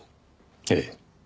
ええ。